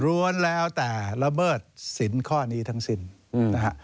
้วนแล้วแต่ละเมิดสินข้อนี้ทั้งสิ้นนะฮะ